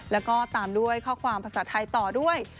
แล้วก็ตามด้วยข้อความภาษาไทยต่อด้วย